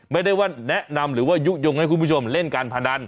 ไม่ได้ว่าแนะนำหรือว่ายุโยงให้คุณผู้ชมเล่นการพนัน